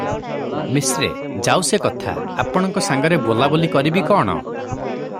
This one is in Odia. ମିଶ୍ରେ- ଯାଉ ସେ କଥା, ଆପଣଙ୍କ ସାଙ୍ଗରେ ବୋଲାବୋଲି କରିବି କଣ?